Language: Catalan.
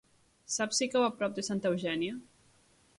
Saps si cau a prop de Santa Eugènia?